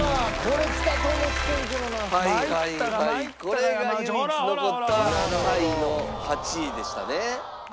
これが唯一残った下位の８位でしたね。